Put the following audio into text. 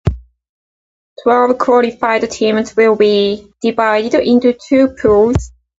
Twelve qualified teams will be divided into two pools.